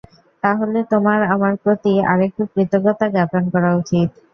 তাহলে, তোমার আমার প্রতি আরেকটু কৃতজ্ঞতা জ্ঞাপন করা উচিত।